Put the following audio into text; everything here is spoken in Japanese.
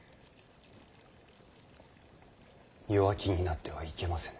弱気になってはいけませぬ。